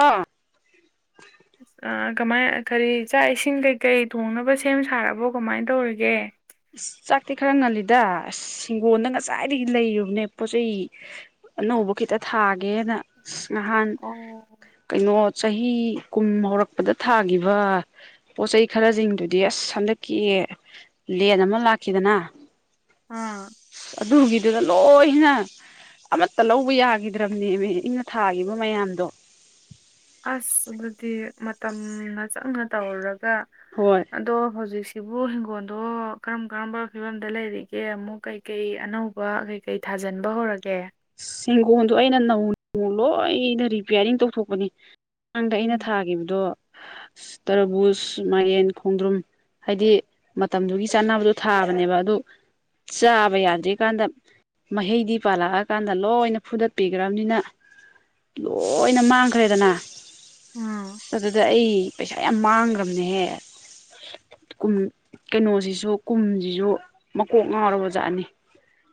ꯑꯥ ꯏꯁ ꯑꯥ ꯀꯃꯥꯏ ꯀꯔꯤ ꯆꯥꯛ ꯏꯁꯤꯡ ꯀꯩꯀꯩ ꯊꯣꯡꯅꯕ ꯁꯦꯝ ꯁꯥꯔꯕꯣ ꯀꯃꯥꯏꯟ ꯇꯧꯔꯤꯒꯦ ꯏꯁ ꯆꯥꯛꯇꯤ ꯈꯔ ꯉꯜꯂꯤꯗ ꯑꯁ ꯍꯤꯡꯒꯣꯜꯗ ꯉꯁꯥꯏꯗꯒꯤ ꯂꯩꯔꯨꯕꯅꯦ ꯄꯣꯠꯆꯩ ꯑꯅꯧꯕ ꯈꯤꯇꯥ ꯊꯥꯒꯦꯅ [inaudible] ꯉꯍꯥꯟ ꯑꯣ ꯀꯩꯅꯣ ꯆꯍꯤ ꯀꯨꯝ ꯍꯧꯔꯛꯄꯗ ꯊꯥꯒꯤꯕ ꯄꯣꯠꯆꯩ ꯈꯔꯖꯤꯡꯗꯨꯗꯤ ꯑꯁ ꯍꯟꯗꯛꯀꯤ ꯂꯦꯟ ꯑꯃ ꯂꯥꯛꯈꯤꯗꯅ ꯑꯥ ꯑꯗꯨꯒꯤ ꯑꯗꯨꯗ ꯂꯣꯏꯅ ꯑꯃꯠꯇꯥ ꯂꯧꯕ ꯌꯥꯒꯤꯗ꯭ꯔꯥꯕꯅꯦꯃꯤ ꯑꯩꯅ ꯊꯥꯒꯤꯕ ꯃꯌꯥꯝꯗꯣ ꯑꯁ ꯑꯗꯨꯗꯤ ꯃꯇꯝꯅ ꯆꯪꯅ ꯇꯧꯔꯨꯔꯒꯥ ꯍꯣꯏ ꯑꯗꯣ ꯍꯧꯖꯤꯛꯁꯤ ꯕꯨ ꯍꯤꯡꯒꯣꯜꯗꯣ ꯀꯔꯝ ꯀꯔꯝꯕ ꯐꯤꯕꯝꯗꯥ ꯂꯩꯔꯤꯒꯦ ꯑꯃꯨꯛ ꯀꯩ ꯀꯩ ꯑꯅꯧꯕ ꯀꯩ ꯊꯥꯖꯤꯟꯕ ꯍꯧꯔꯒꯦ [inaudible] ꯍꯤꯡꯒꯣꯜꯗꯣ ꯑꯩꯅ ꯅꯧꯅ ꯂꯣꯏꯅ ꯔꯤꯄꯤꯌꯥꯔꯤꯡ ꯇꯧꯊꯣꯛꯄꯅꯤ ꯃꯃꯥꯡꯗ ꯑꯩꯅ ꯎꯝ ꯊꯥꯒꯤꯕꯗꯣ ꯇꯔꯕꯨꯁ ꯃꯦꯏꯔꯦꯟ ꯈꯣꯡꯗ꯭ꯔꯨꯝ ꯍꯥꯏꯗꯤ ꯃꯇꯝꯗꯨꯒꯤ ꯆꯥꯅꯕꯗꯣ ꯊꯥꯕꯅꯦꯕ ꯑꯗꯨ ꯆꯥꯕ ꯌꯥꯗ꯭ꯔꯤ ꯀꯥꯟꯗ ꯃꯍꯩꯗꯤ ꯄꯥꯜꯂꯥꯑ ꯀꯥꯟꯗ ꯂꯣꯏꯅ ꯐꯨꯗꯠꯄꯤꯒ꯭ꯔꯥꯕꯅꯤꯅ ꯂꯣꯏꯅ ꯃꯥꯡꯈ꯭ꯔꯦꯗꯅ ꯎꯝ ꯑꯗꯨꯗ ꯑꯩ ꯄꯩꯁꯥ ꯌꯥꯝ ꯃꯥꯡꯒꯔ꯭ꯥꯝꯅꯦꯍꯦ ꯀꯨꯝ ꯀꯩꯅꯣꯁꯤꯁꯨ ꯀꯨꯝꯖꯤꯖꯨ ꯃꯀꯣꯛ ꯉꯥꯎꯔꯕꯖꯥꯠꯅꯤ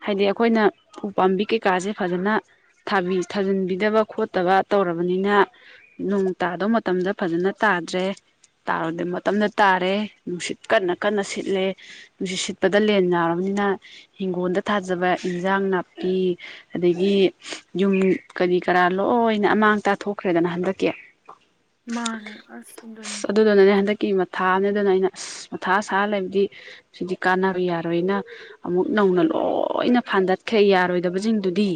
ꯍꯥꯏꯗꯤ ꯑꯩꯈꯣꯏꯅ ꯎ ꯄꯥꯝꯕꯤ ꯀꯩ ꯀꯥꯖꯦ ꯐꯖꯅ ꯊꯕꯤ ꯊꯥꯖꯤꯟꯕꯤꯗꯕ ꯈꯣꯠꯇꯕ ꯇꯧꯔꯕꯅꯤꯅ ꯅꯣꯡ ꯇꯥꯗꯧ ꯃꯇꯝꯗ ꯐꯖꯅ ꯇꯥꯗ꯭ꯔꯦ ꯇꯥꯔꯣꯏꯗꯕ ꯃꯇꯝꯗ ꯇꯥꯔꯦ ꯅꯨꯡꯁꯤꯠ ꯀꯟꯅ ꯀꯟꯅ ꯁꯤꯠꯂꯦ ꯅꯨꯡꯁꯤꯠ ꯁꯤꯠꯄꯗ ꯂꯦꯟ ꯌꯥꯎꯔꯕꯅꯤꯅ ꯍꯤꯡꯒꯣꯜꯗ ꯊꯥꯖꯕ ꯏꯟꯖꯥꯡ ꯅꯥꯄꯤ ꯑꯗꯒꯤ ꯌꯨꯝ ꯀꯔꯤ ꯀꯔꯥ ꯂꯣꯏꯅ ꯑꯃꯥꯡꯇꯥ ꯊꯣꯛꯈ꯭ꯔꯦꯗꯅ ꯍꯟꯗꯛꯀꯤ [inaudible] ꯃꯥꯟꯅꯦ ꯑꯁ ꯑꯗꯨꯅꯤ ꯑꯗꯨꯗꯨꯅꯅꯦ ꯍꯟꯗꯛꯀꯤ ꯃꯊꯥꯝꯅꯦ ꯑꯗꯨꯅ ꯑꯩꯅ ꯑꯁ ꯃꯊꯥ ꯁꯥꯔ ꯂꯩꯕꯗꯤ ꯁꯤꯗꯤ ꯀꯥꯟꯅꯔꯣꯏ ꯌꯥꯔꯣꯏꯅ ꯑꯃꯨꯛ ꯅꯧꯅ ꯂꯣꯏꯅ ꯐꯥꯟꯗꯠꯈ꯭ꯔꯦ ꯌꯥꯔꯣꯏ ꯗꯕꯖꯤꯡꯗꯨꯗꯤ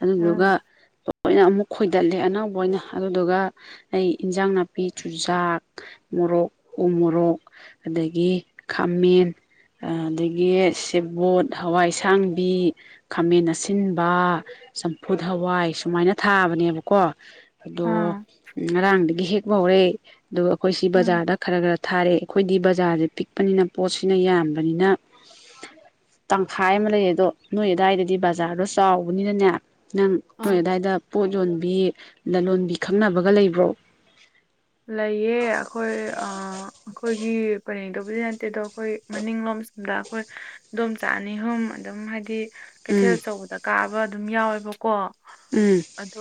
ꯑꯗꯨꯗꯨꯒ ꯎꯝ ꯂꯣꯏꯅ ꯑꯃꯨꯛ ꯈꯣꯏꯗꯠꯂꯦ ꯑꯅꯧꯕ ꯑꯣꯏꯅ ꯑꯗꯨꯗꯨꯒ ꯑꯩ ꯏꯟꯖꯥꯡ ꯅꯥꯄꯤ ꯆꯨꯖꯥꯛ ꯃꯣꯔꯣꯛ ꯎ ꯃꯣꯔꯣꯛ ꯑꯗꯒꯤ ꯈꯥꯃꯦꯟ ꯑꯥ ꯑꯗꯒꯤ ꯁꯦꯕꯣꯠ ꯍꯋꯥꯏꯁꯥꯡꯕꯤ ꯈꯥꯃꯦꯟ ꯑꯥ ꯁꯤꯟꯕ ꯆꯝꯐꯨꯠ ꯍꯋꯥꯏ ꯁꯨꯃꯥꯏꯅ ꯊꯥꯕꯅꯦꯕꯀꯣ ꯑꯗꯣ ꯑꯥ ꯉꯔꯥꯡꯗꯒꯤ ꯍꯦꯛꯄ ꯍꯧꯔꯦ ꯑꯗꯨꯒ ꯑꯈꯣꯏ ꯁꯤ ꯎꯝ ꯕꯖꯥꯔꯗ ꯈꯔ ꯒꯥꯔꯥ ꯊꯥꯔꯦ ꯑꯩꯈꯣꯏꯗꯤ ꯕꯖꯥꯔꯖꯦ ꯄꯤꯛꯄꯅꯤꯅ ꯄꯣꯠꯁꯤꯅ ꯌꯥꯝꯕꯅꯤꯅ ꯇꯪꯈꯥꯏ ꯑꯃ ꯂꯩꯔꯦ ꯑꯗꯣ ꯅꯣꯏ ꯑꯗꯥꯏꯗꯗꯤ ꯕꯥ ꯕꯖꯥꯔꯗꯣ ꯆꯥꯎꯕꯅꯤꯅꯅꯦ ꯅꯪ ꯅꯣꯏ ꯑꯥ ꯑꯗꯥꯏꯗ ꯄꯣꯠ ꯌꯣꯟꯕꯤ ꯂꯂꯣꯟꯕꯤ ꯈꯪꯅꯕꯒ ꯂꯩꯕ꯭ꯔꯣ ꯂꯩꯌꯦ ꯑꯩꯈꯣꯏ ꯑꯥ ꯑꯩꯈꯣꯏꯒꯤ ꯄꯔꯦꯡ ꯗꯕꯨꯗꯤ ꯅꯠꯇꯦ ꯑꯗꯣ ꯑꯩꯈꯣꯏ ꯃꯅꯤꯡꯂꯣꯝ ꯑꯁꯣꯝꯗ ꯑꯩꯈꯣꯏ ꯏꯗꯣꯝꯆ ꯑꯅꯤ ꯑꯍꯨꯝ ꯑꯗꯨꯝ ꯍꯥꯏꯗꯤ ꯀꯩꯊꯦꯜ ꯎꯝ ꯑꯆꯧꯕꯗ ꯀꯥꯕ ꯑꯗꯨꯝ ꯌꯥꯎꯋꯦꯕꯀꯣ ꯎꯝ ꯑꯗꯣ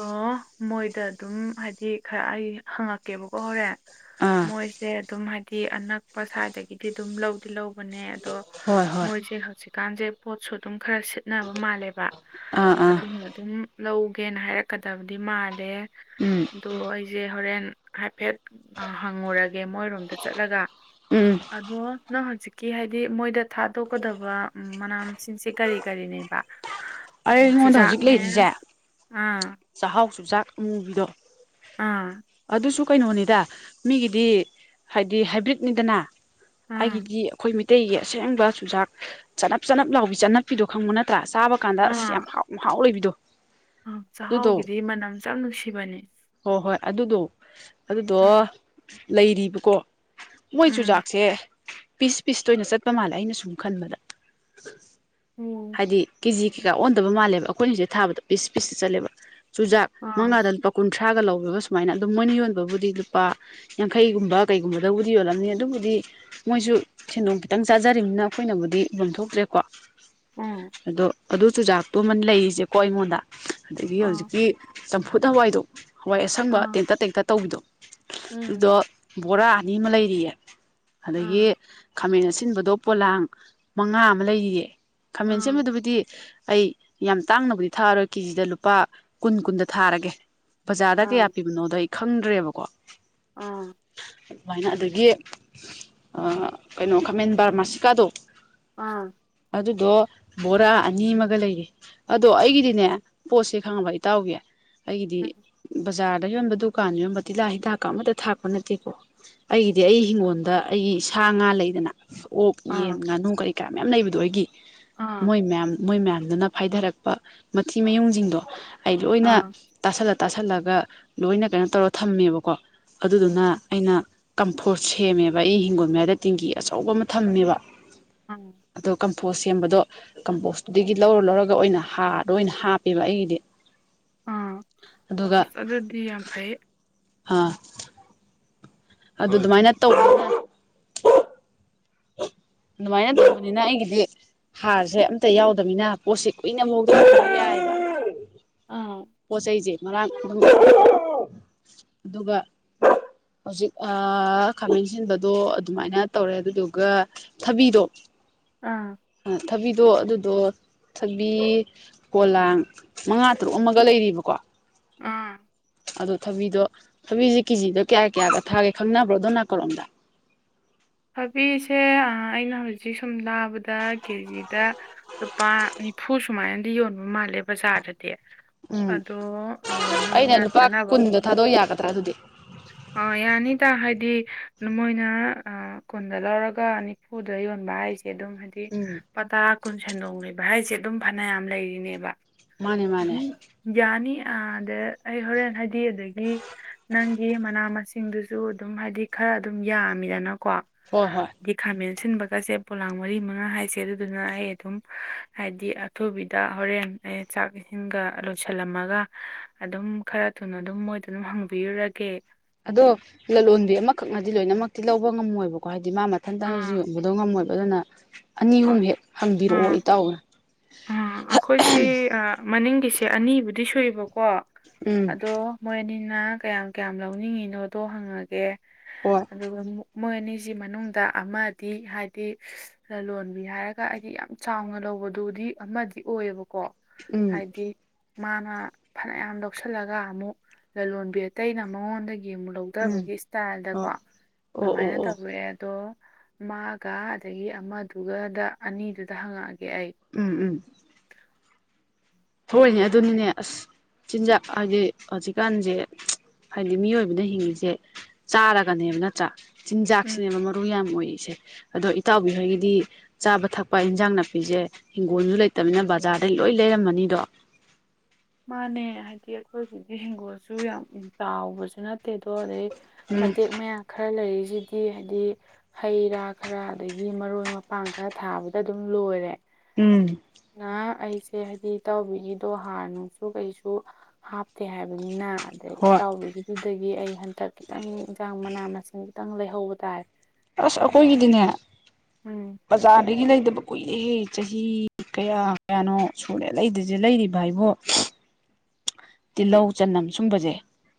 ꯃꯣꯏꯗ ꯑꯗꯨꯝ ꯍꯥꯏꯗꯤ ꯈꯔ ꯑꯩ ꯍꯪꯉꯛꯀꯦꯕꯀꯣ ꯍꯣꯔꯦꯟ ꯑꯥ ꯃꯣꯏꯁꯦ ꯑꯗꯨꯝ ꯍꯥꯏꯗꯤ ꯑꯅꯛꯄ ꯁ꯭ꯋꯥꯏꯗꯒꯤꯗꯤ ꯑꯗꯨꯝ ꯂꯧ ꯂꯧꯕꯅꯦ ꯑꯗꯣ ꯍꯣꯏ ꯍꯣꯏ ꯃꯣꯏꯖꯦ ꯍꯧꯖꯤꯛꯀꯥꯟꯖꯦ ꯄꯣꯠꯁꯨ ꯑꯗꯨꯝ ꯈꯔ ꯁꯤꯠ ꯈꯦꯠꯅꯕ ꯃꯥꯜꯂꯦꯕ ꯑꯥ ꯑꯥ ꯑꯗꯨꯅ ꯑꯗꯨꯝ ꯂꯧꯒꯦꯅ ꯍꯥꯏꯔꯛꯀꯗꯕꯗꯤ ꯃꯥꯜꯂꯦ ꯎꯝ ꯑꯗꯨ ꯑꯩꯖꯦ ꯍꯣꯔꯦꯟ ꯍꯥꯏꯐꯦꯠ ꯍꯪꯉꯨꯔꯒꯦ ꯃꯣꯏꯔꯣꯝ ꯗ ꯆꯠꯂꯒ ꯎꯝ ꯑꯗꯣ ꯅꯪ ꯍꯧꯖꯤꯛꯀꯤ ꯍꯥꯏꯗꯤ ꯃꯣꯏꯗ ꯊꯥꯗꯣꯛꯀꯗꯕ ꯃꯅꯥ ꯃꯁꯤꯡꯁꯦ ꯀꯔꯤ ꯀꯔꯤꯅꯦꯕ ꯎꯝ, ꯑꯩꯉꯣꯟꯗ ꯍꯧꯖꯤꯛ ꯆꯨꯖꯥꯛꯅꯦ ꯂꯩꯔꯤꯖꯦ ꯑꯥ ꯆꯥꯍꯥꯎ ꯆꯨꯖꯥꯛ ꯑꯃꯨꯕꯤꯗꯣ ꯑꯥ ꯑꯗꯨꯁꯨ ꯀꯩꯅꯣꯅꯤꯗ ꯃꯤꯒꯤꯗꯤ ꯍꯥꯏꯗꯤ ꯍꯥꯏꯕ꯭ꯔꯤꯠꯅꯤꯗꯅ ꯑꯥ ꯑꯩꯒꯤꯗꯤ ꯑꯩꯈꯣꯏ ꯃꯩꯇꯩꯒꯤ ꯑꯁꯦꯡꯕ ꯆꯨꯖꯥꯛ ꯆꯅꯞ ꯆꯅꯞ ꯂꯥꯎꯕꯤ ꯆꯅꯞꯄꯤꯗꯣ ꯈꯪꯕ ꯅꯠꯇ꯭ꯔꯥ ꯆꯥꯕ ꯀꯥꯟꯗ ꯑꯁ ꯌꯥꯝ ꯑꯥ ꯍꯥꯎ ꯃꯍꯥꯎ ꯂꯩꯕꯤꯗꯣ ꯑꯥ ꯑꯗꯨꯗꯣ ꯆꯥꯍꯥꯎꯒꯤꯗꯤ ꯃꯅꯝ ꯁꯨ ꯌꯥꯝ ꯅꯨꯡꯁꯤꯕꯅꯦ ꯍꯣꯏ ꯍꯣꯏ ꯑꯗꯨꯗꯣ ꯑꯗꯨꯗꯣ ꯎꯝ ꯂꯩꯔꯤꯕꯀꯣ ꯃꯣꯏ ꯆꯨ ꯎꯝ ꯖꯥꯛꯁꯦ ꯄꯤꯁ ꯄꯤꯁꯇ ꯑꯣꯏꯅ ꯆꯠꯄ ꯃꯥꯜꯂꯦ ꯑꯩꯅ ꯁꯨꯝ ꯈꯟꯕꯗ ꯎꯝ ꯍꯥꯏꯗꯤ ꯀꯤꯖꯤ ꯀꯩꯀꯥ ꯑꯣꯟꯗꯕ ꯃꯥꯜꯂꯦꯕ ꯑꯩꯈꯣꯏꯅꯁꯤꯗ ꯊꯥꯕꯗ ꯄꯤꯁ ꯄꯤꯁ ꯆꯠꯂꯦꯕ ꯆꯨꯖꯥꯛ ꯑꯥ ꯃꯉꯥꯗ ꯀꯨꯟꯊ꯭ꯔꯥꯒ ꯂꯧꯋꯦꯕ ꯁꯨꯃꯥꯏꯅ ꯑꯗꯨꯝ ꯃꯣꯏꯅ ꯌꯣꯟꯕꯕꯨꯗꯤ ꯂꯨꯄꯥ ꯌꯥꯡꯈꯩꯒꯨꯝꯕ ꯀꯩꯒꯨꯝꯕꯗꯕꯨꯗꯤ ꯌꯣꯜꯂꯝꯅꯤ ꯑꯗꯨꯕꯨꯗꯤ ꯃꯣꯏꯁꯨ ꯁꯦꯟꯗꯣꯡ ꯈꯤꯇꯪ ꯆꯥꯖꯔꯤꯕꯅꯤꯅ ꯑꯩꯈꯣꯏꯅꯕꯨꯗꯤ ꯎꯕꯝ ꯊꯣꯛꯇ꯭ꯔꯦꯀꯣ ꯎꯝ ꯑꯗꯣ ꯑꯗꯨ ꯆꯨꯖꯥꯛꯇꯨ ꯑꯃ ꯂꯩꯔꯤꯖꯦꯀꯣ ꯑꯩꯉꯣꯟꯗ ꯑꯗꯒꯤ ꯑꯥ ꯍꯧꯖꯤꯛꯀꯤ ꯆꯝꯐꯨꯠ ꯍꯋꯥꯏꯗꯣ ꯍꯋꯥꯏ ꯑꯁꯪꯕ ꯑꯥ ꯇꯦꯟꯇꯛ ꯇꯦꯟꯇꯛ ꯇꯧꯕꯤꯗꯣ ꯑꯗꯨꯗꯣ ꯎꯝ ꯕꯣꯔꯥ ꯑꯅꯤ ꯑꯃ ꯂꯩꯔꯤꯑꯦ ꯑꯗꯥꯒꯤ ꯑꯥ ꯈꯥꯃꯦꯟ ꯑꯁꯤꯟꯕꯗꯣ ꯄꯣꯂꯥꯡ ꯃꯉꯥ ꯑꯃ ꯂꯩꯔꯤꯌꯦ ꯈꯥꯃꯦꯟ ꯑꯥ ꯑꯁꯤꯟꯕꯗꯨꯕꯨꯗꯤ ꯑꯩ ꯌꯥꯝ ꯇꯥꯡꯅꯕꯨꯗꯤ ꯊꯥꯔꯔꯣꯏ ꯀꯦꯖꯤꯗ ꯂꯨꯄꯥ ꯀꯨꯟ ꯀꯨꯟꯗ ꯊꯥꯔꯒꯦ ꯕꯖꯥꯔꯗ ꯀꯌꯥ ꯄꯤꯕꯅꯣꯗꯣ ꯑꯩ ꯈꯪꯗ꯭ꯔꯦꯕꯀꯣ ꯑꯥ ꯑꯗꯨꯃꯥꯏꯅ ꯑꯗꯒꯤ ꯑꯥ ꯀꯩꯅꯣ ꯈꯥꯃꯦꯟ ꯕꯥꯔꯃꯥꯁꯤꯀꯥꯗꯣ ꯑꯥ ꯑꯗꯨꯗꯣ ꯕꯣꯔꯥ ꯑ ꯅꯤ ꯑꯃꯒ ꯂꯩꯔꯤ ꯑꯗꯣ ꯑꯩꯒꯤꯗꯤꯅꯦ ꯄꯣꯠꯁꯦ ꯈꯪꯉꯕ ꯏꯇꯥꯎꯕꯤ ꯑꯩꯒꯤꯗꯤ ꯕꯖꯥꯔꯗ ꯌꯣꯟꯕ ꯗꯨꯀꯥꯟꯗ ꯌꯣꯟꯕ ꯇꯤꯜꯍꯥꯠ ꯍꯤꯗꯥꯛꯀ ꯑꯃꯇ ꯊꯥꯛꯄ ꯅꯠꯇꯦꯀꯣ ꯑꯩꯒꯤꯗꯤ ꯑꯩ ꯍꯤꯡꯒꯣꯜꯗ ꯑꯩꯒꯤ ꯁꯥ ꯉꯥ ꯂꯩꯗꯅ ꯑꯣꯛ ꯌꯦꯟ ꯉꯥꯅꯨ ꯀꯔꯤ ꯀꯔꯥ ꯃꯌꯥꯝ ꯂꯩꯕꯗꯣ ꯑꯩꯒꯤ ꯃꯣꯏ ꯑꯥ ꯃꯌꯥꯝ ꯃꯣꯏ ꯃꯌꯥꯝꯗꯨꯅ ꯐꯥꯏꯗꯔꯛꯄ ꯃꯊꯤ ꯃꯌꯨꯡꯖꯤꯡꯗꯣ ꯑꯩ ꯂꯣꯏꯅ ꯇꯥꯁꯜꯂ ꯇꯥꯁꯜꯂꯒ ꯂꯣꯏꯅ ꯀꯩꯅꯣ ꯇꯧꯔ ꯊꯝꯃꯦꯕꯀꯣ ꯑꯗꯨꯗꯨꯅ ꯎꯝ, ꯑꯩꯅ ꯀꯝꯐꯣꯁ ꯁꯦꯝꯃꯦꯕ ꯑꯩ ꯍꯤꯡꯒꯣꯜ ꯃꯌꯥꯗ ꯇꯦꯡꯀꯤ ꯑꯆꯧꯕ ꯑꯃ ꯊꯝꯃꯦꯕ ꯑꯥ ꯑꯗꯣ ꯀꯝꯐꯣꯁ ꯁꯦꯝꯕꯗꯣ ꯀꯝꯄꯣꯁ ꯑꯗꯒꯤ ꯂꯧꯔ ꯂꯧꯔꯒ ꯑꯣꯏꯅ ꯍꯥꯔꯗ ꯑꯣꯏꯅ ꯍꯥꯞꯄꯦꯕ ꯑꯩꯒꯤꯗꯤ ꯑꯥ ꯑꯗꯨꯒ ꯑꯁ ꯑꯗꯨꯗꯤ ꯌꯥꯝ ꯐꯩ ꯑꯥ ꯑꯗꯨ ꯑꯗꯨꯃꯥꯏꯅ ꯇꯧ ꯑꯗꯨꯃꯥꯏꯅ ꯎꯝ ꯇꯧꯕꯅꯤꯅ ꯑꯩꯒꯤꯗꯤ ꯍꯥꯔꯁꯦ ꯑꯝꯇ ꯌꯥꯎꯗꯕꯅꯤꯅ ꯄꯣꯠꯁꯦ ꯀꯨꯏꯅ ꯃꯨꯛꯇ ꯊꯝꯕ ꯌꯥꯏꯌꯦꯕ ꯑꯥ ꯄꯣꯠ ꯆꯩꯖꯦ ꯃꯔꯥꯡ ꯑꯗꯨꯝ ꯑꯗꯨꯒ ꯍꯧꯖꯤꯛ ꯑꯥ ꯈꯥꯃꯦꯟꯑꯁꯤꯟꯕꯗꯣ ꯑꯗꯨꯃꯥꯏꯅ ꯇꯧꯔꯦ ꯑꯗꯨꯗꯨꯒ ꯊꯕꯤꯗꯣ ꯑꯥ ꯑꯥ ꯊꯕꯤꯗꯣ ꯑꯗꯨꯗꯣ ꯊꯕꯤ ꯄꯣꯂꯥꯡ ꯃꯉꯥ ꯇꯔꯨꯛ ꯑꯃꯒ ꯂꯩꯔꯤꯕꯀꯣ ꯑꯥ ꯑꯗꯣ ꯊꯕꯤꯗꯣ ꯊꯕꯤꯖꯦ ꯀꯦꯖꯤꯗ ꯀꯌꯥ ꯀꯌꯥꯗ ꯊꯥꯒꯦ ꯈꯪꯅꯕ꯭ꯔꯣ ꯑꯗꯣ ꯅꯥꯀꯜꯂꯣꯝꯗ ꯊꯥꯕꯤꯁꯦ ꯑꯥ ꯑꯩꯅ ꯍꯧꯖꯤꯛ ꯁꯨꯝ ꯇꯥꯕꯗ ꯀꯦꯖꯤꯗ ꯂꯨꯄꯥ ꯅꯤꯐꯨ ꯁꯨꯃꯥꯏꯅꯗꯤ ꯌꯣꯟꯕ ꯃꯥꯜꯂꯦ ꯕꯖꯥꯔꯗꯗꯤ ꯎꯝ ꯑꯗꯣ ꯑꯥ ꯅꯪꯅ ꯀꯥꯟꯅꯕ ꯃꯤ ꯑꯗꯣ ꯌꯥꯒꯗ꯭ꯔꯥ ꯑꯗꯨꯗꯤ ꯑꯥ ꯌꯥꯅꯤꯗ ꯍꯥꯏꯗꯤ ꯅ ꯃꯣꯏꯅ ꯑꯥ ꯀꯨꯟꯗ ꯂꯧꯔꯒ ꯅꯤ ꯐꯨꯗ ꯌꯣꯟꯕ ꯍꯥꯏꯁꯦ ꯑꯗꯨꯝ ꯍꯥꯏꯗꯤ ꯎꯝ ꯂꯨꯄꯥ ꯇꯔꯥ ꯀꯨꯟ ꯁꯦꯟꯗꯣꯡ ꯂꯩꯕ ꯍꯥꯏꯁꯦ ꯑꯗꯨꯝ ꯐꯅꯌꯥꯝ ꯂꯩꯔꯤꯅꯦꯕ ꯃꯥꯅꯦ ꯃꯥꯅꯦ ꯑꯗꯨꯝ ꯌꯥꯅꯤ ꯑꯥ ꯑꯗ ꯑꯩ ꯍꯣꯔꯦꯟ ꯍꯥꯏꯗꯤ ꯑꯗꯒꯤ ꯅꯪ ꯋꯤ ꯃꯅꯥ ꯃꯁꯤꯡꯗꯨꯖꯨ ꯑꯗꯨꯝ ꯍꯥꯏꯗꯤ ꯈꯔ ꯑꯗꯨꯝ ꯌꯥꯝꯃꯤꯗꯅꯀꯣ ꯍꯣꯏ ꯍꯣꯏ ꯍꯥꯏꯗꯤ ꯈꯥꯃꯦꯟ ꯑꯁꯤꯟꯕꯒꯁꯦ ꯄꯣꯂꯥꯡ ꯃꯔꯤ ꯃꯉꯥ ꯍꯥꯏꯁꯦ ꯑꯗꯨꯗꯨꯅ ꯑꯩ ꯑꯗꯨꯝ ꯍꯥꯏꯗꯤ ꯑꯥ ꯑꯊꯨꯕꯤꯗ ꯍꯣꯔꯦꯟ ꯑꯩ ꯆꯥꯛ ꯏꯁꯤꯡꯒ ꯂꯣꯏꯁꯤꯜꯂꯝꯃꯒ ꯑꯗꯨꯝ ꯈꯔ ꯊꯨꯅ ꯑꯗꯨꯝ ꯃꯣꯏꯗꯣ ꯑꯗꯨꯝ ꯍꯪꯕꯤꯔꯨꯔꯒꯦ ꯑꯗꯣ ꯂꯂꯣꯟꯕꯤ ꯑꯃꯈꯛꯅꯗꯤ ꯂꯣꯏꯅꯃꯛꯇꯤ ꯂꯧꯕ ꯉꯝꯃꯣꯏꯕꯀꯣ ꯍꯥꯏꯗꯤ ꯃꯥ ꯃꯊꯟꯇꯅꯖꯨ ꯑꯥ ꯌꯣꯟꯕ ꯉꯝꯃꯣꯏꯕ ꯑꯗꯨꯅ ꯑꯅꯤ ꯑꯍꯨꯝ ꯍꯣꯏ ꯍꯦꯛ ꯑꯥ ꯍꯪꯕꯤꯔꯛꯑꯣ ꯏꯇꯥꯎꯅ ꯑꯥ ꯑꯩꯈꯣꯏꯁꯤ ꯑꯥ ꯃꯅꯤꯡꯒꯤꯁꯦ ꯑꯅꯤꯕꯨꯗꯤ ꯁꯨꯏꯕꯀꯣ ꯎꯝ ꯑꯗꯣ ꯃꯣꯏ ꯑꯅꯤꯅ ꯀꯌꯥꯝ ꯀꯌꯥꯝ ꯂꯧꯅꯤꯡꯉꯤꯅꯣꯗꯣ ꯍꯪꯉꯒꯦ ꯍꯣꯏ ꯑꯗꯨꯒ ꯃꯣꯏ ꯑꯅꯤꯖꯤ ꯃꯅꯨꯡꯗ ꯑꯃꯗꯤ ꯍꯥꯏꯗꯤ ꯂꯂꯣꯟꯕꯤ ꯍꯥꯏꯔꯒ ꯍꯥꯏꯗꯤ ꯌꯥꯝ ꯆꯥꯎꯅ ꯂꯧꯕꯗꯨꯗꯤ ꯑꯃꯗꯤ ꯑꯣꯏꯌꯦꯕꯀꯣ ꯎꯝ ꯍꯥꯏꯗꯤ ꯃꯥꯅ ꯐꯅꯌꯥꯝ ꯂꯧꯁꯤꯜꯂꯒ ꯑꯃꯨꯛ ꯂꯂꯣꯟꯕꯤ ꯑꯇꯩꯅ ꯃꯉꯣꯟꯗ ꯌꯦꯡꯉꯨ ꯂꯧ ꯎꯝ ꯗꯕꯒꯤ ꯏꯁꯇꯥꯏꯜꯗꯀꯣ ꯍꯣꯏ ꯑꯣ ꯑꯣ ꯑꯗꯨꯃꯥꯏꯅ ꯑꯣ ꯇꯧꯋꯦ ꯑꯗꯣ ꯃꯥꯒ ꯑꯗꯒꯤ ꯑꯃꯗꯨꯒꯗ ꯑꯅꯤꯗꯨꯗ ꯍꯪꯉꯛꯑꯒꯦ ꯑꯩ ꯎꯝ ꯎꯝ [inaudible] ꯍꯣꯏꯅꯦ ꯑꯗꯨꯅꯤꯅꯦ ꯑꯁ ꯆꯤꯟꯖꯥꯛ ꯍꯥꯏꯗꯤ ꯍꯧꯖꯤꯛꯀꯥꯟꯁꯦ ꯍꯥꯏꯗꯤ ꯃꯤꯑꯣꯏꯕꯅ ꯍꯤꯡꯉꯤꯁꯦ ꯆꯥꯔꯒꯅꯦꯕ ꯅꯠꯇ꯭ꯔꯥ ꯎꯝ ꯆꯤꯟꯖꯥꯛꯁꯤꯅꯦꯕ ꯃꯔꯨ ꯌꯥꯝ ꯑꯣꯏꯔꯤꯁꯦ ꯑꯗꯣ ꯏꯇꯥꯎꯕꯤꯍꯣꯏꯒꯤꯗꯤ ꯆꯥꯕ ꯊꯛꯄ ꯏꯟꯖꯥꯡ ꯅꯥꯄꯤꯁꯦ ꯍꯤꯡꯒꯣꯜꯁꯨ ꯂꯩꯇꯅꯤꯅ ꯕꯖꯥꯔꯗꯩ ꯂꯣꯏ ꯂꯩꯔꯝꯃꯅꯤꯗꯣ ꯃꯥꯅꯦ ꯍꯥꯏꯗꯤ ꯑꯩꯈꯣꯏꯒꯤꯗꯤ ꯍꯤꯡꯒꯣꯜꯁꯨ ꯌꯥꯝ ꯆꯥꯎꯕꯁꯨ ꯅꯠꯇꯦ ꯑꯗꯣ ꯑꯗꯩ ꯎꯝ ꯃꯇꯦꯛ ꯃꯌꯥ ꯈꯔ ꯂꯩꯔꯤꯁꯤꯗꯤ ꯍꯥꯏꯗꯤ ꯍꯩ ꯔꯥ ꯈꯔ ꯑꯗꯒꯤ ꯃꯔꯣꯏ ꯃꯄꯥꯡ ꯈꯔ ꯊꯥꯕꯗ ꯑꯗꯨꯝ ꯂꯣꯏꯔꯦ ꯎꯝ ꯅꯥ ꯑꯩꯁꯦ ꯍꯥꯏꯗꯤ ꯏꯇꯥꯎꯕꯤꯒꯤꯗꯣ ꯍꯥꯔ ꯅꯨꯡ ꯁꯨ ꯀꯩꯁꯨ ꯍꯥꯞꯇꯦ ꯍꯥꯏꯕꯅꯤꯅ ꯑꯗꯩ ꯍꯣꯏ ꯏꯇꯥꯎꯕꯤꯒꯤ ꯗꯒꯤ ꯑꯩ ꯍꯟꯇꯛ ꯈꯤꯇꯪ ꯌꯦꯟꯁꯥꯡ ꯃꯅꯥ ꯃꯁꯤꯡ ꯈꯤꯇꯪ ꯂꯩꯍꯧꯕ ꯇꯥꯔꯦ ꯑꯁ ꯑꯩꯈꯣꯏꯒꯤꯗꯤꯅꯦ ꯎꯝ ꯕꯖꯥꯔꯗꯒꯤ ꯂꯩꯗꯕ ꯀꯨꯏꯔꯦꯍꯦ ꯆꯍꯤ ꯀꯌꯥ ꯀꯌꯥꯅꯣ ꯁꯨꯔꯦ ꯂꯩꯗꯤꯁꯦ ꯂꯩꯔꯤꯕ ꯍꯥꯏꯕꯣ ꯇꯤꯜꯍꯧ ꯆꯅꯝ ꯁꯨꯝꯕꯁꯦ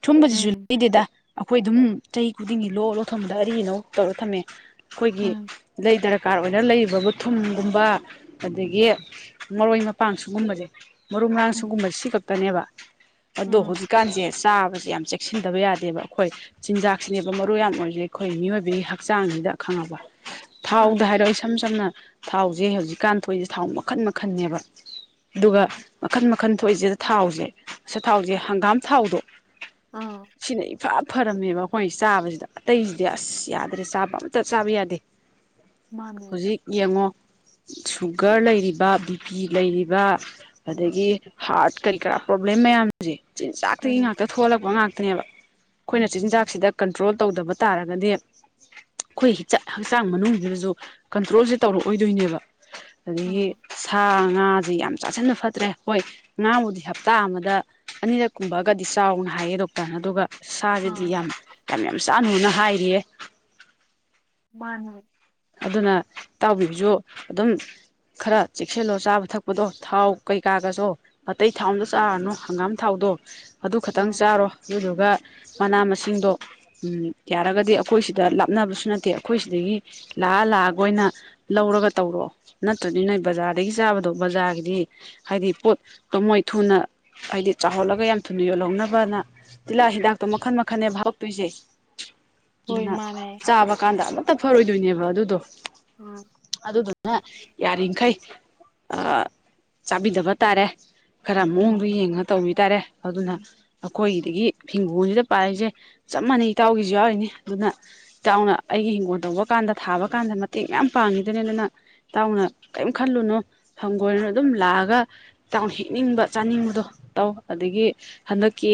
ꯁꯨꯝꯕꯁꯤꯁꯨ ꯎꯝ ꯂꯩꯗꯦꯗ ꯑꯩꯈꯣꯏ ꯑꯗꯨꯝ ꯆꯍꯤ ꯈꯨꯗꯤꯡꯒꯤ ꯂꯣꯛ ꯂꯣ ꯊꯝꯕꯗ ꯑꯔꯤ ꯑꯅꯧ ꯇꯧꯔ ꯊꯝꯃꯦ ꯑꯩꯈꯣꯏꯒꯤ ꯎꯝ ꯂꯩꯗꯔꯛ ꯀꯥꯔ ꯑꯣꯏꯔ ꯂꯩꯔꯤꯕꯕꯨ ꯊꯨꯝꯒꯨꯝꯕ ꯑꯗꯒꯤ ꯃꯔꯣꯏ ꯃꯄꯥꯡ ꯁꯨꯒꯨꯝꯕꯁꯦ ꯃꯔꯨ ꯃꯔꯥꯡ ꯎꯝ ꯁꯨꯒꯨꯝꯕ ꯁꯤ ꯈꯛꯇꯅꯦꯕ ꯑꯗꯣ ꯎꯝ ꯍꯧꯖꯤꯛꯀꯥꯟꯁꯦ ꯆꯥꯕꯁꯦ ꯌꯥꯝ ꯆꯦꯛꯁꯤꯟꯗꯕ ꯌꯥꯗꯦꯕ ꯑꯩꯈꯣꯏ ꯆꯤꯟꯖꯥꯛꯁꯤꯅꯦꯕ ꯃꯔꯨ ꯌꯥꯝ ꯑꯣꯏꯔꯤꯁꯦ ꯑꯩꯈꯣꯏ ꯃꯤꯑꯣꯏꯕꯒꯤ ꯍꯛꯆꯥꯡꯁꯤꯗ ꯈꯪꯉꯕ ꯊꯥꯎꯗ ꯃꯥꯅꯦ ꯍꯥꯏꯔꯛꯑꯣ ꯏꯁꯝ ꯁꯝꯅ ꯊꯥꯎꯁꯦ ꯍꯧꯖꯤꯛꯀꯥꯟ ꯊꯣꯛꯏꯁꯦ ꯊꯥꯎ ꯃꯈꯟ ꯃꯈꯟꯅꯦꯕ ꯑꯗꯨꯒ ꯃꯈꯟ ꯃꯈꯟ ꯊꯣꯛꯏꯁꯤꯗ ꯊꯥꯎꯁꯦ ꯑꯆꯥ ꯊꯥꯎꯁꯦ ꯍꯪꯒꯥꯝ ꯊꯥꯎꯗꯣ ꯑꯥꯎ ꯁꯤꯅ ꯏꯐ ꯐꯔꯝꯃꯦꯕ ꯑꯩꯈꯣꯏ ꯆꯥꯕꯁꯤꯗ ꯑꯇꯩꯁꯤꯗꯤ ꯑꯁ ꯌꯥꯗ꯭ꯔꯦ ꯆꯥꯕ ꯑꯝꯇ ꯆꯥꯕ ꯌꯥꯗꯦ ꯃꯥꯅꯦ ꯍꯨꯖꯤꯛ ꯌꯦꯡꯉꯣ ꯁꯨꯒꯔ ꯂꯩꯔꯤꯕ ꯕꯤ ꯄꯤ ꯂꯩꯔꯤꯕ ꯑꯗꯒꯤ ꯍꯥꯔꯠ ꯀꯔꯤ ꯀꯔꯥ ꯄ꯭ꯔꯣꯕ꯭ꯂꯦꯝ ꯃꯌꯥꯝꯁꯦ ꯆꯤꯟꯖꯥꯛꯇꯒꯤ ꯎꯝ ꯉꯥꯛꯇ ꯊꯣꯛꯍꯜꯂꯛꯄ ꯉꯥꯛꯇꯅꯦꯕ ꯑꯩꯈꯣꯏꯅ ꯆꯤꯟꯖꯥꯛꯁꯤꯗ ꯀꯟꯇ꯭ꯔꯣꯜ ꯇꯧꯗꯕ ꯇꯥꯔꯒꯗꯤ ꯑꯩꯈꯣꯏ ꯍꯤꯆꯥꯛꯍꯛꯆꯥꯡ ꯃꯅꯨꯡꯁꯤꯗꯁꯨ ꯀꯟꯇ꯭ꯔꯣꯜꯁꯦ ꯇꯧꯔꯛꯑꯣꯏꯗꯣꯏꯅꯦꯕ ꯑꯗꯒꯤ ꯎꯝ ꯁꯥ ꯉꯥꯁꯦ ꯌꯥꯝ ꯆꯥꯁꯤꯟꯅ ꯐꯠꯇ꯭ꯔꯦ ꯍꯣꯏ ꯉꯥꯕꯨꯗꯤ ꯍꯞꯇꯥ ꯑꯃꯗ ꯑꯅꯤꯔꯛ ꯀꯨꯝꯕꯒꯗꯤ ꯆꯥꯎꯅ ꯍꯥꯏꯌꯦ ꯗꯣꯛꯇꯔꯅ ꯑꯗꯨꯒ ꯑꯥ ꯁꯥꯁꯤꯗꯤ ꯌꯥꯝ ꯌꯥꯝ ꯌꯥꯝ ꯆꯥꯅꯨꯅ ꯍꯥꯏꯔꯤꯌꯦ ꯃꯥꯟꯅꯦ ꯑꯗꯨꯅ ꯏꯇꯥꯎꯕꯤꯍꯣꯏꯁꯨ ꯑꯗꯨꯝ ꯈꯔ ꯆꯦꯛꯁꯤꯜꯂꯣ ꯆꯥꯕ ꯊꯛꯄꯗꯣ ꯊꯥꯎ ꯀꯩꯀꯥꯒꯁꯨ ꯑꯇꯩ ꯊꯥꯎ ꯑꯝꯗ ꯆꯥꯔꯅꯨ ꯍꯪꯒꯥꯝ ꯊꯥꯎꯗꯣ ꯑꯗꯨ ꯈꯛꯇꯪ ꯎꯝ ꯆꯥꯔꯣ ꯑꯗꯨꯗꯨꯒ ꯃꯅꯥ ꯃꯁꯤꯡꯗꯣ ꯎꯝ ꯌꯥꯔꯒꯗꯤ ꯑꯩꯈꯣꯏ ꯁꯤꯗ ꯂꯥꯞꯅꯕꯁꯨ ꯅꯠꯇꯦ ꯑꯩꯈꯣꯏ ꯁꯤꯗꯒꯤ ꯂꯥꯛꯑ ꯂꯥꯛꯑꯒ ꯑꯣꯏꯅ ꯂꯧꯔꯒ ꯇꯧꯔꯣ ꯅꯠꯇ꯭ꯔꯗꯤ ꯅꯣꯏ ꯕꯖꯥꯔꯗꯒꯤ ꯆꯥꯕꯗꯣ ꯕꯖꯥꯔꯒꯤꯗꯤ ꯍꯥꯏꯗꯤ ꯄꯣꯠꯇꯣ ꯃꯣꯏ ꯊꯨꯅ ꯍꯥꯏꯗꯤ ꯆꯥꯍꯜꯂꯒ ꯌꯥꯝ ꯊꯨꯅ ꯌꯣꯜꯍꯧꯅꯕꯅ ꯇꯤꯜꯍꯥꯠ ꯍꯤꯗꯥꯛꯇꯣ ꯃꯈꯟ ꯃꯈꯟꯅꯦꯕ ꯍꯥꯞꯕꯛꯇꯣꯏꯁꯦ ꯍꯣꯏ ꯑꯗꯨꯅ ꯃꯥꯅꯦ ꯆꯥꯕ ꯀꯥꯟꯗ ꯑꯃꯠꯇ ꯐꯔꯣꯏꯗꯣꯏꯅꯦꯕ ꯑꯗꯨꯗꯣ ꯎꯝ [unintelligible] ꯑꯗꯨꯗꯨꯅ ꯌꯥꯔꯤꯈꯩ ꯆꯥꯕꯤꯗꯕ ꯇꯥꯔꯦ ꯈꯔ ꯃꯑꯣꯡꯗꯣ ꯌꯦꯡꯉ ꯇꯧꯕꯤ ꯇꯥꯔꯦ ꯑꯗꯨꯅ ꯑꯩꯈꯣꯏꯒꯤꯗꯒꯤ ꯍꯤꯡꯒꯣꯜꯁꯤꯗ ꯄꯥꯜꯂꯤꯁꯦ ꯆꯞ ꯃꯥꯟꯅꯩ ꯏꯇꯥꯎꯒꯤꯁꯨ ꯌꯥꯎꯔꯤꯅꯤ ꯑꯗꯨꯅ ꯏꯇꯥꯎꯅ ꯑꯩꯒꯤ ꯏꯤꯡꯒꯣꯜ ꯇꯧꯕ ꯀꯥꯟꯗ ꯊꯥꯕ ꯀꯥꯟꯗ ꯃꯇꯦꯡ ꯃꯌꯥꯝ ꯄꯥꯡꯉꯤꯗꯨꯅꯤ ꯑꯗꯨꯅ ꯇꯥꯎꯅ ꯀꯩꯝ ꯈꯜꯂꯨꯅꯣ ꯍꯪꯒꯣꯏꯔꯨꯅꯣ ꯑꯗꯨꯝ ꯂꯥꯛꯑꯒ ꯏꯇꯥꯎꯅ ꯍꯦꯛꯅꯤꯡꯕ ꯆꯥꯅꯤꯡꯕꯗꯣ ꯇꯧ ꯑꯗꯒꯤ ꯍꯟꯗꯛꯀꯤ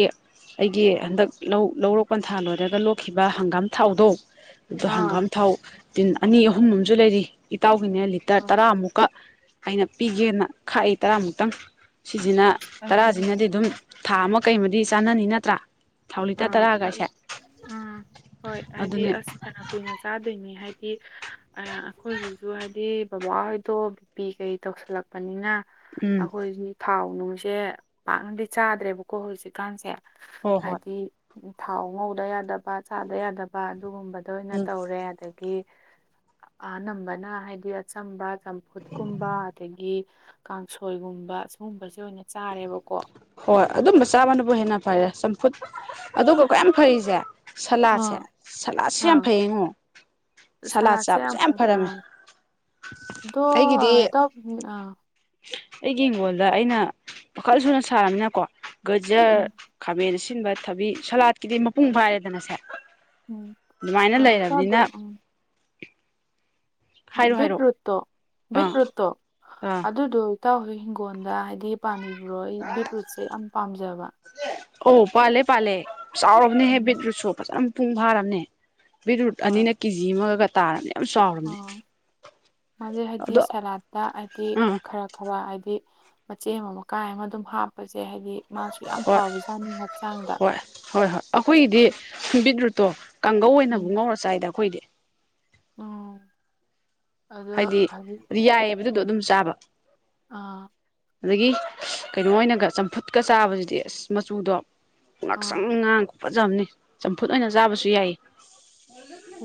ꯑꯩꯒꯤ ꯍꯟꯗꯛ ꯂꯧ ꯂꯧꯔꯣꯛ ꯄꯟꯊꯥ ꯂꯣꯏꯔꯥꯒ ꯂꯣꯛꯈꯤꯕ ꯍꯪꯒꯥꯝ ꯊꯥꯎꯗꯣ ꯑꯗꯣ ꯑꯥ ꯍꯪꯒꯥꯝ ꯊꯥꯎ ꯇꯤꯟ ꯑꯅꯤ ꯑꯍꯨꯝ ꯑꯃꯖꯨ ꯂꯩꯔꯤ ꯏꯇꯥꯎꯒꯤꯅꯦ ꯂꯤꯇꯔ ꯇꯔꯥꯃꯨꯛꯀ ꯑꯩꯅ ꯄꯤꯒꯦꯅ ꯈꯥꯛꯏ ꯇꯔꯥꯃꯨꯛꯇꯪ ꯁꯤꯁꯤꯅ ꯇꯔꯥꯖꯤꯅꯗꯤ ꯑꯗꯨꯝ ꯊꯥ ꯑꯃ ꯀꯩꯃꯗꯤ ꯆꯥꯅꯅꯤ ꯅꯠꯇ꯭ꯔꯥ ꯊꯥꯎ ꯂꯤꯇꯔ ꯑꯥ ꯑꯛ ꯇꯔꯥꯒꯥꯏꯁꯦ ꯑꯥ ꯍꯣꯏ ꯍꯥꯏꯗꯤ ꯑꯗꯨꯅꯦ ꯑꯁ ꯐꯅ ꯀꯨꯏꯅ ꯆꯥꯗꯣꯏꯅꯤ ꯍꯥꯏꯗꯤ ꯑꯥ ꯑꯩꯈꯣꯏ ꯏꯃꯨꯡꯁꯨ ꯍꯥꯏꯗꯤ ꯕꯕꯥꯍꯣꯏꯗꯣ ꯕꯤꯄꯤ ꯀꯩ ꯇꯧꯁꯜꯂꯛꯄꯅꯤꯅ ꯎꯝ ꯑꯩꯈꯣꯏꯖꯨꯅꯤ ꯊꯥꯎ ꯅꯨꯡꯁꯦ ꯄꯥꯛꯅꯗꯤ ꯆꯥꯗ꯭ꯔꯦꯕꯀꯣ ꯍꯧꯖꯤꯛꯀꯥꯟꯁꯦ ꯍꯣꯏ ꯍꯣꯏ ꯍꯥꯏꯗꯤ ꯊꯥꯎ ꯉꯧꯗ ꯌꯥꯗꯕ ꯆꯥꯗ ꯌꯥꯗꯕ ꯑꯗꯨꯒꯨꯝꯕ ꯑꯗꯨ ꯑꯣꯏꯅ ꯎꯝ ꯇꯧꯔꯦ ꯑꯗꯒꯤ ꯑꯅꯝꯕꯅ ꯍꯥꯏꯗꯤ ꯑꯆꯝꯕ ꯆꯝꯐꯨꯠꯀꯨꯝꯕ ꯑꯗꯒꯤ ꯀꯥꯡꯁꯣꯏꯒꯨꯝꯕ ꯁꯒꯨꯝꯕꯁꯦ ꯑꯣꯏꯅ ꯆꯥꯔꯦꯕꯀꯣ ꯍꯣꯏ ꯑꯗꯨꯝꯕ ꯆꯥꯕꯅꯕꯨ ꯍꯦꯟꯅ ꯐꯔꯦ ꯆꯝꯐꯨꯠ ꯑꯗꯨꯒ ꯀꯌꯥꯝ ꯐꯔꯤꯖꯦ ꯑꯥ ꯁꯂꯥꯥꯠꯁꯦ ꯁꯂꯥꯥꯠꯁꯦ ꯌꯥꯝ ꯑꯥ ꯐꯩ ꯌꯦꯉꯣ ꯁꯂꯥꯠ ꯆꯥꯕꯁꯦ ꯌꯥꯝ ꯐꯔꯝꯃꯦ ꯗꯣ ꯑꯩꯒꯤꯗꯤ ꯑꯥ ꯢꯇꯥꯎꯕꯤ ꯑꯥ ꯑꯩꯒꯤ ꯍꯪꯒꯣꯜꯗ ꯑꯩꯅ [unintelligible] ꯁꯥꯔꯕꯅꯤꯅꯀꯣ ꯒꯖꯔ ꯎꯝ ꯈꯥꯃꯦꯟ ꯑꯁꯤꯟꯕ ꯊꯕꯤ ꯁꯂꯥꯠꯀꯤꯗꯤ ꯃꯄꯨꯡ ꯐꯥꯔꯦꯗꯅ ꯁꯦ ꯎꯝ ꯑꯗꯨꯃꯥꯏꯅ ꯑꯥ ꯏꯇꯥꯎꯗꯣ ꯂꯩꯔꯕꯅꯤꯅ ꯎꯝ ꯍꯥꯏꯔꯣ ꯕꯤꯠ ꯍꯥꯏꯔꯣ ꯔꯨꯠꯇꯣ ꯕꯤꯠ ꯑꯥ ꯔꯨꯠꯇꯣ ꯑꯥ ꯑꯗꯨꯗꯣ ꯏꯇꯥꯎꯍꯣꯏ ꯍꯤꯡꯒꯣꯜꯗ ꯍꯥꯏꯗꯤ ꯄꯥꯟꯕꯤꯕ꯭ꯔꯣ ꯑꯩ ꯕꯤꯠꯔꯨꯠꯁꯦ ꯌꯥꯝ ꯄꯥꯝꯖꯕ ꯑꯧ ꯄꯥꯜꯂꯦ ꯄꯥꯜꯂꯦ ꯆꯥꯎꯔꯕꯅꯦ ꯍꯦ ꯎꯝ ꯕꯤꯠ ꯔꯨꯠꯁꯨ ꯐꯖꯅ ꯃꯄꯨꯡ ꯐꯥꯔꯕꯅꯦ ꯕꯤꯠꯔꯨꯠ ꯑꯅꯤꯅ ꯀꯦꯖꯤ ꯑꯃꯒ ꯇꯥꯔꯕꯅꯦ ꯌꯥꯝ ꯆꯥꯎꯔꯕꯅꯦ ꯑꯣ ꯃꯥꯗꯤ ꯍꯥꯏꯗꯤ ꯑꯗꯣ ꯁꯂꯥꯠꯇ ꯍꯥꯏꯗꯤ ꯑꯥ ꯈꯔ ꯈꯔꯥ ꯍꯥꯏꯗꯤ ꯃꯆꯦꯠ ꯑꯃ ꯃꯀꯥꯏ ꯑꯃ ꯑꯗꯨꯝ ꯍꯥꯞꯄꯁꯦ ꯍꯥꯏꯗꯤ ꯃꯥꯁꯨ ꯌꯥꯝ ꯍꯣꯏ ꯐꯕꯖꯥꯠꯅꯤ ꯍꯛꯆꯥꯡꯗ ꯍꯣꯏ ꯍꯣꯏ ꯍꯣꯏ ꯑꯩꯈꯣꯏꯒꯤꯗꯤ ꯕꯤꯠꯔꯨꯠꯇꯣ ꯀꯥꯡꯒꯧ ꯑꯣꯏꯅꯕꯨ ꯎꯝ ꯉꯧꯔ ꯆꯥꯏꯗ ꯑꯩꯈꯣꯏꯗꯤ ꯎꯝ ꯑꯗꯣ ꯍꯥꯏꯗꯤ ꯑꯗꯨ [unintelligible] ꯌꯥꯏꯑꯕ ꯑꯗꯨꯗꯣ ꯎꯝ ꯑꯗꯨꯝ ꯆꯥꯕ ꯑꯥ ꯑꯗꯒꯤ ꯀꯩꯅꯣ ꯑꯣꯏꯅꯒ ꯆꯝꯐꯨꯠꯀ ꯆꯥꯕꯁꯤꯗꯤ ꯑꯁ ꯃꯆꯨꯗꯣ ꯉꯥꯛꯁꯪ ꯑꯥ ꯉꯥꯡ ꯈꯨꯐꯖꯑꯃꯅꯤ ꯆꯝꯐꯨꯠ ꯑꯣꯏꯅ ꯆꯥꯕꯁꯨ ꯌꯥꯏꯌꯦ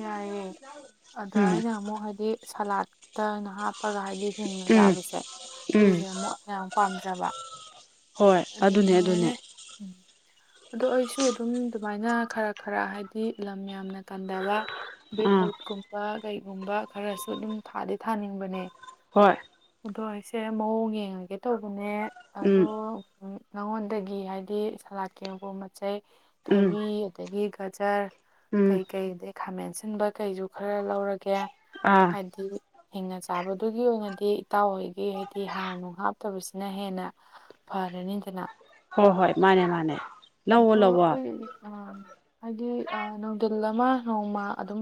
ꯌꯥꯏꯑꯦ ꯑꯗ ꯎꯝ ꯑꯩꯅ ꯑꯃꯨꯛ ꯍꯥꯏꯗꯤ ꯁꯂꯥꯠꯇ ꯍꯥꯞ ꯄꯒ ꯍꯥꯏꯗꯤ ꯍꯤꯡꯅ ꯎꯝ ꯆꯥꯕꯁꯦ ꯎꯝ ꯁꯤꯖꯦ ꯑꯃꯨꯛ ꯌꯥꯝ ꯄꯥꯝꯖꯕ ꯍꯣꯏ ꯑꯗꯨꯅꯦ ꯑꯗꯨꯅꯦ ꯎꯝ ꯑꯗꯣ ꯑꯩꯁꯨ ꯑꯗꯨꯝ ꯑꯗꯨꯃꯥꯏꯅ ꯈꯔ ꯈꯔ ꯍꯥꯏꯗꯤ ꯂꯝ ꯌꯥꯝꯅ ꯀꯟꯗꯕ ꯑꯥ ꯕꯤꯠꯔꯨꯠꯀꯨꯝꯕ ꯀꯩꯒꯨꯝꯕ ꯈꯔꯁꯨ ꯑꯗꯨꯝ ꯊꯥꯗꯤ ꯊꯥꯅꯤꯡꯕꯅꯦ ꯍꯣꯏ ꯑꯗꯣ ꯑꯩꯁꯦ ꯃꯑꯣꯡ ꯌꯦꯡꯉꯒꯦ ꯇꯧꯕꯅꯦ ꯑꯗꯣ ꯎꯝ ꯎꯝ ꯅꯉꯣꯟꯗꯒꯤ ꯍꯥꯏꯗꯤ ꯁꯂꯥꯠꯀꯤ ꯃꯄꯣꯠ ꯃꯠꯆꯩ ꯎꯝ ꯊꯕꯤ ꯑꯗꯒꯤ ꯒꯖꯔ ꯎꯝ ꯀꯩꯀꯩꯗꯩ ꯈꯥꯃꯦꯟ ꯑꯁꯤꯟꯕ ꯀꯩꯁꯨ ꯈꯔ ꯂꯧꯔꯒꯦ ꯑꯥ ꯍꯥꯏꯗꯤ ꯍꯤꯡꯅ ꯆꯥꯕꯗꯨꯒꯤ ꯑꯣꯏꯅꯗꯤ ꯏꯇꯥꯎ ꯍꯣꯏꯒꯤ ꯍꯥꯏꯗꯤ ꯍꯥꯔ ꯅꯨꯡ ꯍꯥꯞꯇꯕꯁꯤꯅ ꯍꯦꯟꯅ ꯐꯔꯅꯤꯗꯅ ꯍꯣꯏ ꯍꯣꯏ ꯃꯥꯅꯦ ꯃꯥꯅꯦ ꯂꯧꯋꯣ ꯑꯗꯣ ꯂꯧꯋꯣ ꯑꯩ ꯑꯥ ꯍꯥꯏꯗꯤ ꯑꯥ ꯅꯨꯡꯗꯤꯜ ꯑꯃ ꯅꯣꯡꯃ ꯑꯗꯨꯝ